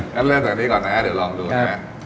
ก็เล่นจากนี้ก่อนนะเดี๋ยวลองดูนะ